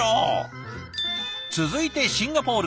続いてシンガポールから。